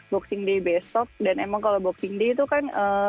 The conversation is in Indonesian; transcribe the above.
boxing day besok dan emang kalau boxing day itu kan